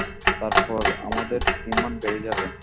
তারপর আমাদের ডিমান্ড বেড়ে যাবে।